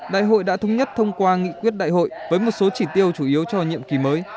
đại hội đã thống nhất thông qua nghị quyết đại hội với một số chỉ tiêu chủ yếu cho nhiệm kỳ mới